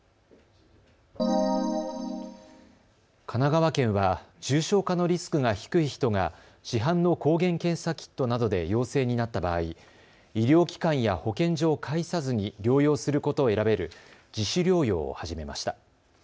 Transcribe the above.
神奈川県は重症化のリスクが低い人が市販の抗原検査キットなどで陽性になった場合、医療機関や保健所を介さずに療養することを選べる自主療養を始めました。